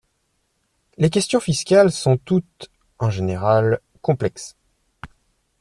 Les questions fiscales sont toutes, en général, complexes.